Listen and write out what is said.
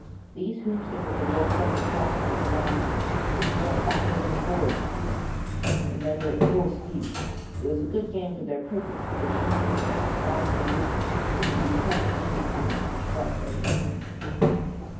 These hoops they were to roll down the sides of the mountains, and jump backwards and forwards through them, when they were at full speed. It was a good game for their purpose, because anyone who touched the side of the hoops would be cut in two, because of the sharp edges.